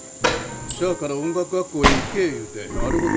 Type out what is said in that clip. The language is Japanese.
しゃあから音楽学校へ行けえ言うてあれほど。